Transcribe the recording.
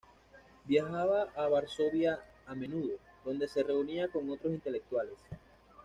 Viajaba a Varsovia a menudo, donde se reunía con otros intelectuales.